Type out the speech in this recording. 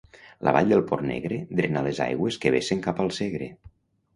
La vall del Port Negre drena les aigües que vessen cap al Segre.